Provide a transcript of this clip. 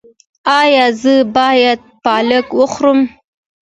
ایا زه باید پالک وخورم؟